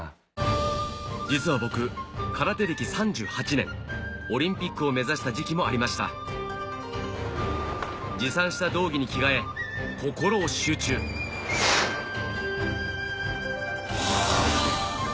実は僕空手歴３８年オリンピックを目指した時期もありました持参した道着に着替え心を集中ハァ。